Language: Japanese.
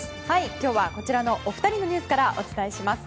今日はこちらのお二人のニュースからお伝えします。